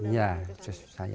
ya khusus saya